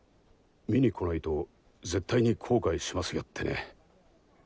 見に来ないと絶対に後悔しますよってね。